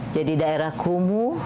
jadi daerah kumuh